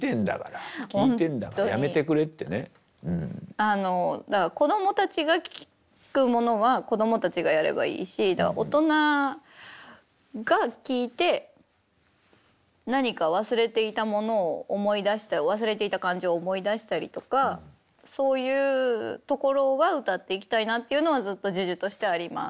あのだから子供たちが聴くものは子供たちがやればいいし大人が聴いて何か忘れていたものを思い出して忘れていた感情を思い出したりとかそういうところは歌っていきたいなっていうのはずっとＪＵＪＵとしてあります。